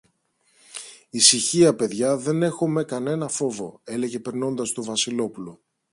Ησυχία, παιδιά, δεν έχομε κανένα φόβο, έλεγε περνώντας το Βασιλόπουλο.